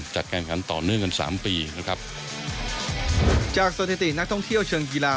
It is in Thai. จากสถิตินักท่องเที่ยวเชิงกีฬา